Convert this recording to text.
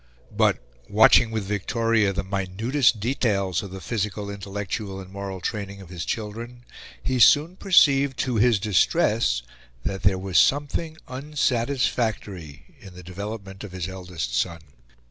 But, watching with Victoria the minutest details of the physical, intellectual, and moral training of his children, he soon perceived, to his distress, that there was something unsatisfactory in the development of his eldest son.